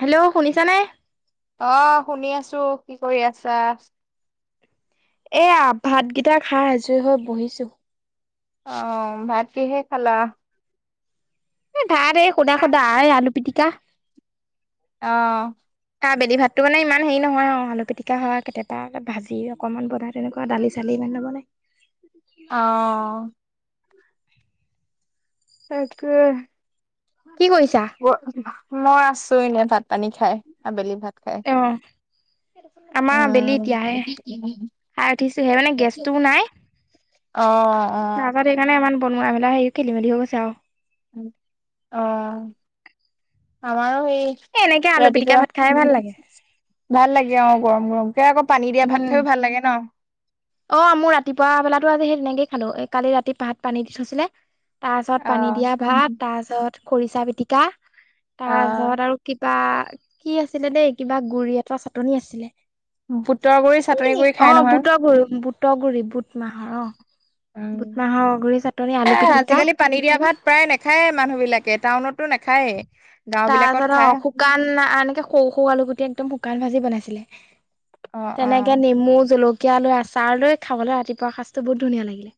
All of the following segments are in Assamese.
হেল্ল', শুনিছা নে? অ, শুনি আছো কি কৰি আছা। এ ভাতকেইটা খাই এজৰি হৈ বহিছো। অ, ভাত কিহেৰে খালা। এ ধাৰেই সোধা - সোধা আলু পিটিকা। অহ ', চ বেলি ভাতটো মানে ইমান হেৰি নহয় অ, আলু পিটিকা হয় কেতিয়াবা ভাজি অকণমান বনাই তেনেকুৱা দালি চালি। ন মানে। অহ ', তাকাকে কি কৰিছা? মই আছো এনে ভাত পানী খাই আবেলি ভাত খাই অ', আমাৰ আবেলি উম এতিয়াহে খাই উঠিছো সে মানে গেছটোও নাই। অ অ তাৰপাত সেইকাৰণে ইমান বনোৱা মেলা হেৰি খেলি মেলি হৈ গৈছে আৰু। অ আমাৰো সেই এ এনেকে আলু পিটিকা ৰাতিপুৱা ভাত খাই ভাল লাগে। ভাল লাগে অ, গৰম - গৰম। উম, অ, মোৰ ৰাতিপুৱা বেলাত টো আজি সেই তেনেকে খালো কালি ৰাতি পাহাত পানী দি থৈছিলে। তাৰ পিছত অ পানী দিয়া ভাত তাৰ পিছত খৰিচা পিটিকা তাৰপিছত অ আৰু কিবা কি আছিলে দেই কিবা গুৰি এটা চাটনি আছিলে। বুটৰ গুৰি চাটনি কি কৰি অ, খাই নহয় বুটগুৰি - বুটগুৰি বুট মাহৰ অ, উম, বুট মাহৰ গুৰি চাটনি আলু পিটিকা আজিকালি পানী দিয়া ভাত প্ৰায় নাখায়ে মানুহ বিলাকে টাউনত। তাৰ পাছত অ, শুকান এনেকে সৰু - সৰু আলু গুটি একদম শুকান ভাজি বনাইছিলে অ অ তেনেকে নেমু জলকীয়া কীয়া লৈ আচাৰ লৈ খাবলৈ ৰাতিপুৱা সাজটো বহুত ধুনীয়া লাগে।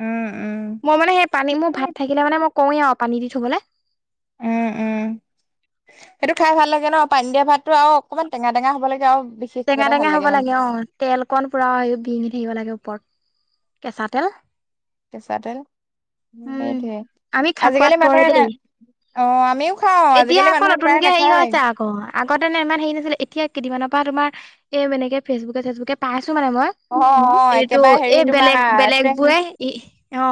উম উম মই মানে সেই পানী মোৰ ভাত থাকিলে মানে মই কওঁৱে আৰু পানী দি থবলৈ। উম উম সেইটো খাই ভাল লাগে ন পানী দিয়া ভাতটো আৰু অকমান টেঙা টঙা হব লাগে আৰু বিশেষ কিবা টেঙা এটা ভাল টেঙা হ'ব মানে লাগে অ তেল কণ পুৰা [unintelligible] থাকিব লাগে ওপৰত। কেঁচা তেল। কেঁচা তেল। উম সেইটোয়ে আমি খ আজিকালি খোৱাত পৰে মানুহে ন দেই। অ আমিও খাওঁ এতিয়া আজিকালি আকৌ মানুহে প্ৰায় নতুনকে হেৰি হৈ নাখায় আছে আকৌ আগতেনে ইমান হেৰি নাছিলে এতিয়া কেইদিনমানৰ পৰা তোমাৰ এই নেকে ফেচবুকে চেচবুকে পাই আছো মানে মই অ অ এইটো একেবাৰে হেৰি এই তোমাৰ বেলেগ বেলেগ ট্ৰেণ্ড বোৰে ই অ।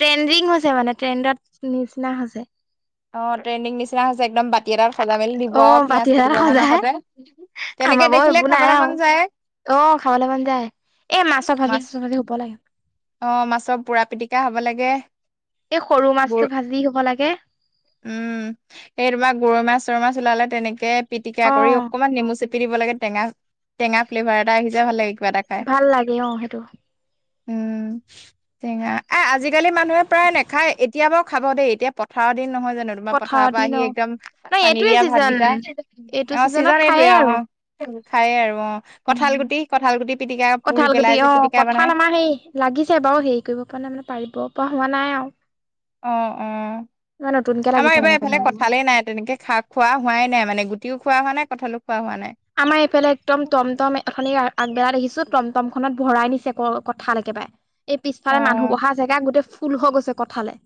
ট্ৰেণ্ডিং হৈছে মানে ট্ৰেণ্ডত নিচিনা হৈছে। অ ট্ৰেইনিং নিচিনা হৈছে একদম বা এতি এ তাত সজা মেলি দিব অ আৰু বাতি পিয়াজ এটাত কেইটপা মানৰ সজাই সতে, আমাৰ তেনেকে বাৰু এইবোৰ দেখিলে নাই খাবলে আৰু মন যায়। অ খাবলৈ মন যায়, এ মাছৰ ভাজি মাছ চাছৰ ভাজি শুব লাগে। অ মাছৰ পুৰা পিটিকা হ'ব লাগে এই সৰু মাছটো বোৰ ভাজি হব লাগে। উম এই তোমাৰ গৰৈ মাছ চৰৈ মাছ ওলালে তেনেকে পিটিকা অ কৰি অকনমান নেমু চেপি দিব লাগে, টেঙা টেঙা ফ্লেভাৰ এটা আহি যাই ভাল লাগে। কিবা এটা খাই ভাল লাগে অ সেইটো। উম, টেঙা, এ, আজিকালি মানুহে প্ৰায় নেখায়। এতিয়া বাৰু খাব দেই, এতিয়া পথাৰত জানো, তোমাৰ পথাৰৰ পৰা দিন আহি অ একদম, ন পানী এইটোৱে দিয়া ছিজন ভাতকেইটা, এইটো অ', ছিজনত ছিজন এইটোৱেই, খায়েই আৰু অ' খায়ে আৰু অ', উম কঁঠাল গুটি, কঁঠাল গুটি পিটিকা পুৰি কঁঠাল পেলাই গুটি যে অ', পিটিকা বনাই কঁঠাল আমাৰ হেৰি, লাগিছে বাৰু, হেৰি কৰিব পৰা নাই, মানে পাৰিব পৰা হোৱা নাই আৰু অ', অ'। ইমান নতুনকে আমাৰ লাগিছে এইবাৰ মানে এফালে কঁঠালজোপা। কঁঠালেই নাই, তেনেকে খা-খোৱাই হোৱা নাই মানে, গুটিও খোৱা হোৱা নাই, কঁঠালো খোৱা হোৱা নাই। আমাৰ এইফালে একদম টমটম, অথনি আগবেলা দেখিছোঁ, টমটমখনত ভৰাই নিছে কল-কঁঠাল একে বাৰে, এই পিছফালে মানুহ অ' বহা জেগাত গোটেই ফুল হৈ গৈছে কঁঠালে।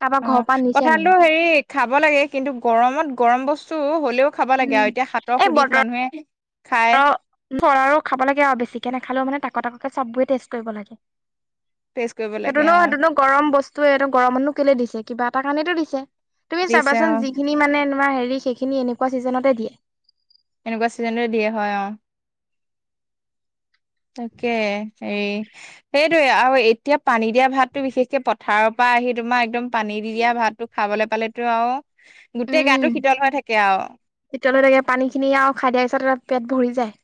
কাৰোবাৰ ঘৰৰ অ', পৰা নিছে মানে। কঁঠালটো হেৰি খাব লাগে, কিন্তু গৰমত, গৰম বস্তু হ'লেও খাব লাগে উম, আৰু এতিয়া হাতৰ এই সুধিত বতৰৰ মানুহে খাই আৰু [unintelligible] খাব লাগে আৰু বেছিকৈ নাখালেও মানে, তাক-তাককে চববোৰে টেষ্ট কৰিব লাগে। টেষ্ট কৰিব সেইটো লাগে নো, অ' সেইটো নো, গৰম বস্তুৱে, সেইটো গৰমতনো কেলে দিছে? কিবা এটা কাৰণেটো দিছে তুমি দিছে চাবাচোন অ' যিখিনি মানে, তোমাৰ হেৰি, সেইখিনি এনেকুৱা ছিজনতে দিয়ে। এনেকুৱা ছিজনতে দিয়ে। হয়, অ'। তাকে হেৰি, সেইটোৱেই আৰু এতিয়া পানী দিয়া ভাতটো বিশেষকে পথাৰৰ পৰা আহি তোমাৰ, একদম পানী দি দিয়া ভাতটো খাবলৈ পালেতো আৰু গোটেই গাটো উম, শীতল হৈ থাকে আৰু। শীতল হৈ থাকে। পানীখিনি আৰু খাই দিয়াৰ পিছত, পেট ভৰি যায়।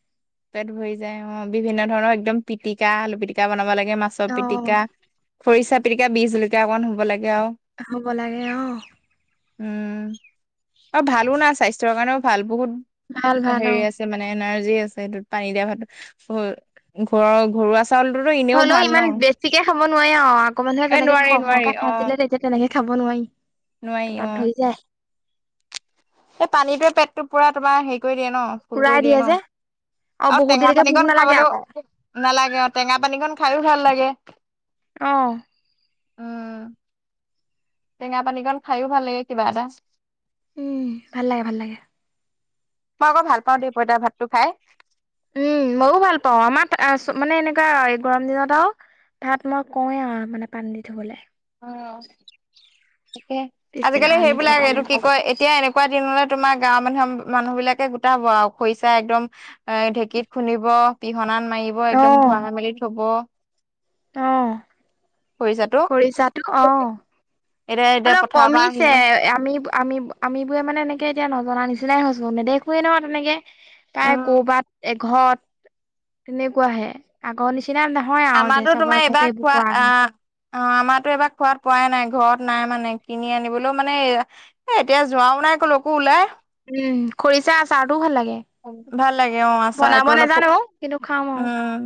পেট ভৰি যায় অ', বিভিন্ন ধৰণৰ একদম পিটিকা, আলু পিটিকা বনাব লাগে মাছৰ অ পিটিকা, খৰিচা পিটিকা, বিহ জলকীয়া অকণ হ'ব লাগে। আৰু হ'ব লাগে, অ'। উম, আৰু ভালো না, স্বাস্থ্যৰ কাৰণেও ভাল, বহুত ভাল ভাল অ হেৰি আছে মানে এনাৰ্জি আছে সেইটোত পানী দিয়া ভাতটোত ঘ ঘৰুৱা চা হলেও ইমান বেছিকে খাব নোৱাৰি আৰু আগৰ মানুহে এ যেনেকে নোৱাৰি সহ নোৱাৰি সহকে অ খাইছিলে তেতিয়া তেনেকে খাব নোৱাৰি নোৱাৰি অ তাত ধই যায় এই পানীটোৱে পেটটো পুৰা তোমাৰ হেৰি কৰি দিয়ে ন ফুল পুৰাই কৰি দিয়ে ন যে আৰু বহুত টেঙা দেৰিলৈকে ভোক পানীকণ নালাগে আকৌ খাবলৈও নালাগে অ টেঙা পানীকণ খাইও ভাল লাগে অহ উম টেঙা পানী কণ খাইও ভাল লাগে কিবা এটা উম ভাল লাগে ভাল লাগে মই আক ভাল পাওঁ দেই পইতাৰ ভাতটো খাই উম মইও ভাল পাওঁ আমাৰ মানে এনেকা এই গৰম দিনত আৰু ভাত মই কওঁৱেই আৰু মানে পানী দি থবলে অহ তাকে পিছদিনা আজিকালি সানি সেইবিলাক খাবলে। এইটো কি কয় এতিয়া এনেকুৱা দিন তোমাৰ গাঁৱৰ মানুহৰ মানুহ বিলাকে গোটাব আও খৰিচা একদম এ ঢেঁকীত খুন্দিব পিহনা মাৰিব অ একদম ভৰাই মেলি থব অ খৰিচাটো। খৰিছাটো অ এতিয়া এতিয়া অলপ পথাৰৰ পৰা কমিছে আহিলে আমি আমি আমবোৰে মানে এনেকে এতিয়া নজনা নিচিনা নিচিনাই হৈছোঁ নেদেখোৱেই নহয় তেনেকে প্ৰায় উম, কৰ'বাত এক ঘৰত তেনেকুৱাহে আগৰ নিচিনা নিচিনা নহয় আৰু আমাৰতো যেচা বৌ তোমাৰ আগতে এইবাৰ এইবোৰ খোৱা কোৱা। আহ অ' আমাৰতো এবাৰ খোৱাত পোৱাই নাই ঘৰত নাই মানে কিনি আনিবলৈও মানে এ এতিয়া যোৱাও নাই। কলোকো ওলায়। উম, খৰিচা আচাৰ টোও ভাল লাগে। ভাল লাগে অ' বনাব আচাৰটো অলপ শুক নাজানো কিন্তু খাম আৰু উম।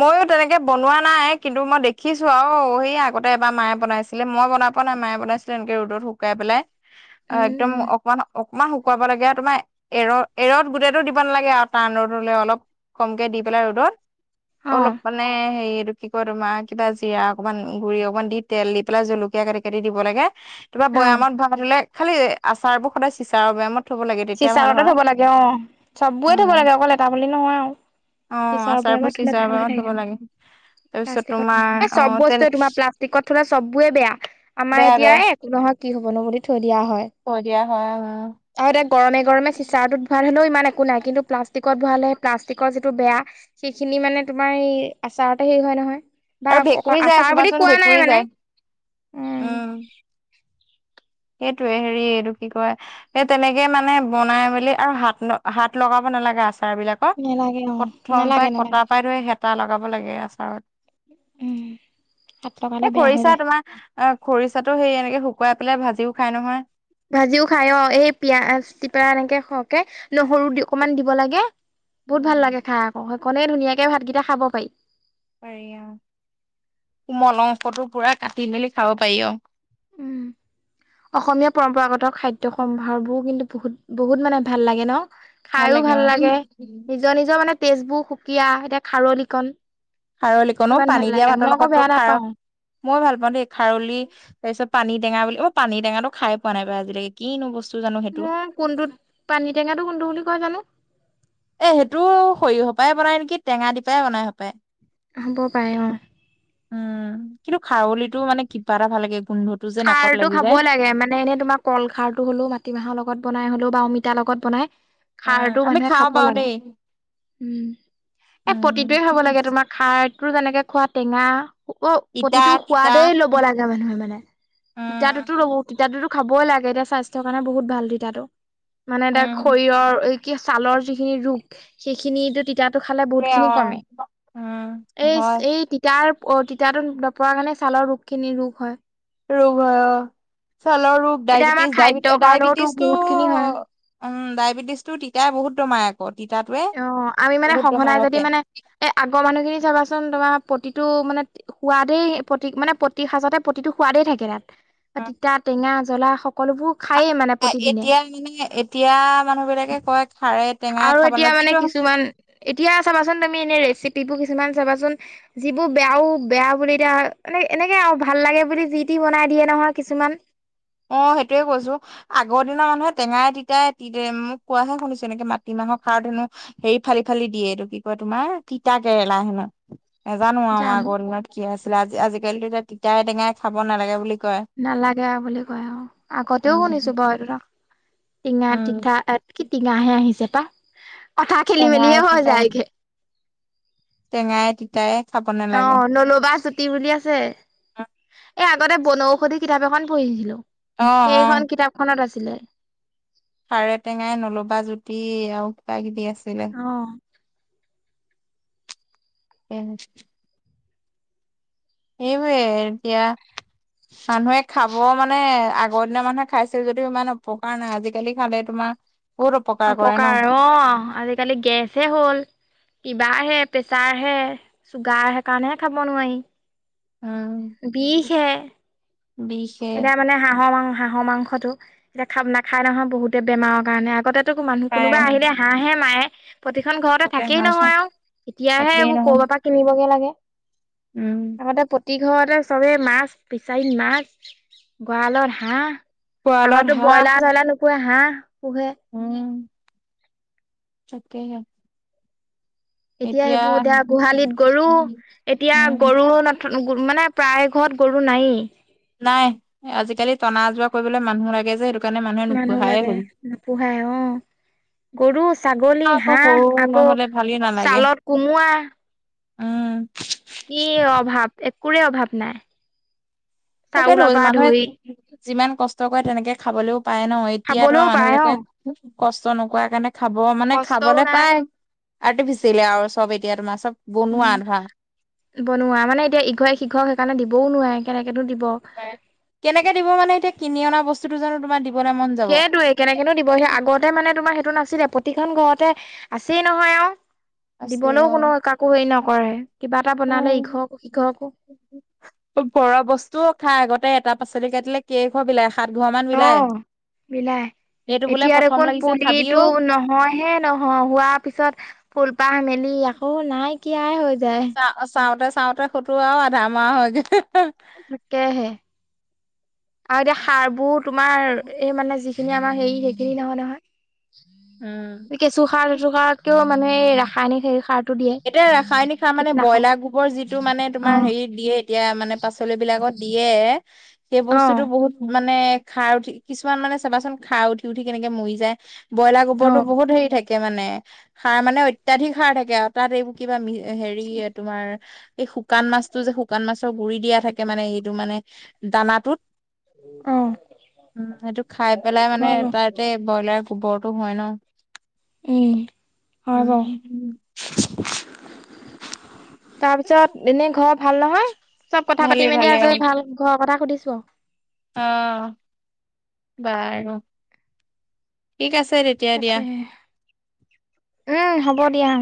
মইয়ো তেনেকে বনোৱা নাই। কিন্তু মই দেখিছোঁ আৰু সেই আগতে এবাৰ মায়ে বনাইছিলে মই বনাব বনাই মায় বনাইছিলে এনেকে ৰ'দত শুকাই পেলাই। অ' উম একদম উম অকমান অকমান শুকুৱাব লাগে আৰু তোমাৰ এৰ এৰৰত গোটেইতটো দিব নালাগে আৰু টান ৰ'দলে অলপ কমকে দি পেলাই ৰ'দত অ অলপ মানে হেৰিত এইটো কি কয় তোমাৰ কিবা জিৰা অকণমান গুৰি অকমান দি তেল দি পেলাই জলকীয়া কাটি কাটি দিব লাগে। তোমাৰ অ বৈয়ামত ভয়াই থ'লে খালি আছাৰ বোৰৰ সদায় চিচাৰৰ বৈয়ামত থব লাগে তেতিয়া ভাল চিচাৰতে হয় থ'ব লাগে অ' চবেৰ থ'ব উম লাগে অকল এটা বুলি নহয় আৰু অ' চিচাৰ আচাৰ বৈয়ামত বোৰৰ থলে চিচাৰ ভাল হৈ বৈয়ামত থাকে থ'ব লাগে। তাৰপিছত প্লাষ্টিকত তোমাৰ এই অ চ'ব তেনে বস্তুৱয়ে তোমাৰ প্লাষ্টিকত থ'লে চ'ববোৰে বেয়া আমাৰ বেয়া এতিয়া এই একো নহয় কি হ'ব। বনো বুলি থৈ দিয়া হয় কয় দিয়া হয় উম। আৰু এতিয়া গৰমে গৰমে চিচাৰটোত ভৰালে হেনোও ইমান একো নাই। কিন্তু প্লাষ্টিকত ভৱালে প্লাষ্টিকৰ যিটো বেয়া সেইখিনি মানে তোমাৰ এই আচাৰতে হেৰি হয় নহয়। বা আৰু ভেকুৰী অ' যায় আছাৰ বুলি চাবাচোন কোৱা ভেকুৰী নাই মানে যায় উম। সেইটোয়ে হেৰি এইটো কি কয় সেই তেনেকে মানে বনাই মেলি আৰু হাত ন হাত লগাব নালাগে আচাৰ বিলাকত নালাগে অ প্ৰথম পাই নালাগে কটা নালাগে পাই ধৰি হেতা লগাব লাগে আচাৰত। উম হাত এই লগালে বেয়া হৈ খৰিচা যায় তোমাৰ অ' খৰিচাটো সেই এনেকে শু শুকুৱাই পেলাই ভাজিও খাই নহয়। ভাজিও খাই অ' এই পিয়াজ দিবা এনেকে সৰহকে নহৰু দি অকমান দিব লাগে। বহুত ভাল লাগে উম খাই অ'ক সেইকনে ধুনীয়াকে ভাতকেইটা খাব পাৰি। পাৰি অ' কোমল অংশটো পুৰা কাটি মেলি খাব পাৰি অহ' [inaudible] উম অসমীয়া পৰম্পৰাগত খাদ্য সম্ভাৰবোৰ কিন্তু বহুত বহুত মানে ভাল লাগে ন। খাইয়েও ভাল লাগে নিজৰ নিজৰ মানে তেজ বোৰ সুকীয়া, এতিয়া খাৰলিকন খাৰলি কনো পানী দিয়া ভাতৰ লগত তো বেয়া খাৰ নাপাওঁ। মই ভাল পাওঁ দেই খাৰলি তাৰপিছত পানী টেঙা বুলি মই পানী টেঙাটো খাই পোৱা নাই আজিলৈকে কিনো বস্তু। জানো সেইটো মই কোনটোত পানীটেঙাটো কোনটো বুলি কয় জানোঁ। এই সেইটো সৰিয়হৰপায় বনাই নেকি টেঙা দি পায় বনাই হপায়। হ'ব পাৰে অহ' উম কিন্তু খাৰলিটো মানে কিবা এটা ভাল লাগে। গোন্ধটো যে নাকত খাৰ টো লাগি খাব যায় লাগে মানে এনেই তোমাৰ কল খাৰ হ'লো মাটিমাহৰ লগত বনাই হলোঁ। বা অমিতাৰ লগত বনাই উম খাৰটো আমি মানুহে খাওঁ খাব বাৰু লাগে। দেই উম, এই উম প্ৰতিটোৱে খাব লাগে তোমাৰ খাৰ তোৰ যেনেকে খোৱা টেঙা অ' তিতা প্ৰতিটো তিতা সোৱাদেই ল'ব লাগে মানুহে মানে উম তিতাততো বহুত তিতাটোতো খাবই লাগে, এতিয়া স্বাস্থ্যৰ কাৰণে বহুত ভাল তিতাটো। মানে তাক উম শৰীৰৰ ঐ কি ছালৰ যিখিনি ৰোগ সেইখিনিয়ে টো টিপ তিতাটো খালে অ বহুত খিনি কমে উম এই হয় এই তিতাৰ অ' তিতাতো নোপোৱাৰ কাৰণে ছালৰ ৰোগ খিনি ৰোগ হয়। ৰোগ হয় অ' ছালৰ ৰোগ, এতিয়া আমাৰ ডায়বেটিছ খাদ্যৰ ডায় কাৰণেওতো ডায়বেটিছ টো বহুত খিনি হয় উম, ডায়বেটিছ টো তিতাই বহুত দমায় আকত অ' আমি মানে সঘনাই যদি মানে এ আগৰ মানুহখিনি চাবাচোন তোমাৰ প্ৰতিটো মানে সোৱাদেই প্ৰতিক মানে প্ৰতি সাঁজতে প্ৰতিটো সোৱাদেই থাকে তাত এ তিতা টেঙা জ্বলা সব আৰু এতিয়া মানে এতিয়া মানুহ বিলাকে কয় খাৰে টেঙাই আৰু এতিয়া খাবলৈ মানে কিছুমান এতিয়া চাবাচোন তুমি ৰেচিপিবোৰ কিছুমান চাবাচোন যিবোৰ বেয়াও বেয়া বুলি এ দিয়া মানে এনেকে আৰু ভাল লাগে যি টি বনাই দিয়ে নহয় কিছুমান অ সেইটোয়ে কৈছো আগৰ দিনৰ মানুহে টেঙাই তিতাই পি দিয়ে মোক কোৱাহে শুনিছো এনেকে মাটি মা আমাৰ খাৰত হেনো হেৰি ফালি ফালি দিয়ে এইটো কি কয় তোমাৰ তিতা কেৰেলা হেনো নেজানো আৰু জানো আগৰ দিনত কি আছিলে আজি আজি কালিতো এতিয়া তিতাই টেঙাই খাব নালাগে বুলি কয় নালাগে বুলি কয় আৰু আগতেও উম শুনিছো বাৰু এইটো টো টিঙা উম তিঠা কি টিঙাহে আহিছে পা কথা খেলি টেঙাই মেলিেয়ে হৈ যায়গে তেঙায় তিতায়ে অ নলবা জুতি বুলি আছে এ আ আগতে বনৌষধি কিতাপ এখন পঢ়িছিলো অ অ সেইখন কিতাপখনত আছিলে খাৰে টেঙাই নলবা জুতি আৰু কিবা কিবি আছে অ টেঙ এইবোৰে এতিয়া মানুহে খাব মানে আগৰ দিনৰ মানুহে খাইছে যদিও ইমান উপকাৰ নাই আজিকালি খালে তোমাৰ মা অপকাৰ অ আজিকালি গেছে হ'ল কিবা আহে প্ৰেছাৰ আহে চুগাৰ সেইকাৰণেহে খাব নোৱাৰি উম বিষ হে বিষে এতিয়া মানে হাঁহৰ মাং হাঁহৰ মাংসটো এতিয়া খ নাখাই নহয় বহুতে বেমাৰৰ কাৰণে আগতে মানুহ পাই কোনোবা আহিলে অ হাঁহে মায়ে প্ৰতিখন ঘৰতে থাকেই নহয় আৰু এতিয়াহে তাকেই এইবোৰ নহয় কৰ'ৰবাৰ পৰা কিনিবগে লাগে উম আগতে প্ৰতি ঘৰতে চবে মাছ পিছাইন মাছ গঁৰালত হাঁহ পোৱালত আগো হাঁহ ব্ৰইলাৰ চইলাৰ নোপোহে হাঁহ পোহে উম তাকে হে এতিয়া সেইবোৰ এতিয়া গোহালিত গৰু উম এতিয়া গৰু ন মানে প্ৰায় ঘৰত গৰু নাইয়ে নাই আজিকালি টনা আজোৱা কৰিবলৈ মানুহ লাগে যে সেটো মানুহ লাগে নোপোহাই গৰু ছাগলী আকৌ সৰু হাঁহ আকৌ নহ'লে ভালেই নালাগে ছালত কোমোৱা উম কি অভাৱ একোৰে অভাৱ নাই তাকেটো চাউলৰ পৰা মানুহে ধৰি যিমান কষ্ট কৰে তেনেকে খাবলৈও পায় ন এতিয়া তোমাৰ খাবলৈও পায় অ মানুহবলাকে কষ্ট নকৰা কাৰণে খাব মানে কষ্টও খাবলে নাই পায় আৰ্টিফিচিয়েলে আৰু চব এতিয়া তোমাৰ চব বনোৱা ধৰা উম বনোৱা মানে এতিয়া ইঘৰে সিঘৰক সেইকাৰণে দিবও নোৱাৰে কেনেকেনো দিব কেনেকে দিব মানে এতিয়া কিনি অনা বস্তুতটো জানো তোমাৰ দি সেইটোৱে কেনেকেনো দিব সেই আগতে মানে তোমাৰ সেইটো নাছিলে প্ৰতিখন ঘৰতে আছেই নহয় আৰু আছে দিবলৈও অ কোনো কাকো হেৰি নকৰে কিবা এটা বনালে ইঘৰকো সিঘকো ঘৰৰ বস্তুও খা আগতে এটা পাচলি কাটিলে কে ঘৰ বিলাই [unintelligible] অ বিলায় বিলাই এতিয়া দেখোন পুলিতো নহয় হে নহয় হোৱা পিছত ফুলপহে মেলি সি আকৌ নাইকিয়াই হৈ যায় চা চাওঁতে-চাওঁতে [unintelligible] আৰু আধা মৰা হৈ গৈছে তাকেহে আৰু এতিয়া সাৰবোৰ তোমাৰ এই মানে যিখিনি আমাৰ হেৰি সেইখিনি নহয়-নহয়। কেঁচু উম সাৰটো সাৰটোকেও মানে এই ৰাসায়নিক হেৰি সাৰ এতিয়া ৰাসায়নিক সাৰ মানে ব্ৰইলাৰ গোবৰ যিটো মানে অ তোমাৰ হেৰি দিয়ে এতিয়া মানে পাচলিবিলাকত দিয়ে সেই অ বস্তুটো বহুত মানে সাৰ উঠি কিছুমান মানে চাবাচোন সাৰ উঠি-উঠি কেনেকে মৰি যায়। ব্ৰইলাৰ অ গোবৰটো বহুত হেৰি থাকে মানে সাৰ মানে অত্যাধিক সাৰ থাকে আৰু তাত এইবোৰ কিবা মি হেৰি তোমাৰ এই শুকান মাছটো যে শুকান মাছৰ গুৰি দিয়া থাকে মানে সেইটো মানে দানাটোত অ উম সেইটো খাই পেলাই মানে হয় বাৰু তাতে ব্ৰইলাৰ গোবৰটো হয় ন' উম হয় বাৰু [unintelligible] তাৰ পিছত এনে ঘৰ ভাল নহয়, চব কথা ভালে পাতি মেলি ভালে আজৰি ভাল ঘৰৰ কথা সুধিছো। অ', বাৰু ঠিক আছে। তেতিয়া দিয়া তাকে উম হ'ব দিয়া।